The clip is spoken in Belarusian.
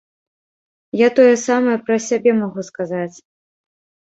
Я тое самае пра сябе магу сказаць.